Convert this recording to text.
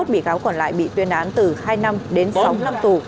hai mươi bị cáo còn lại bị tuyên án từ hai năm đến sáu năm tù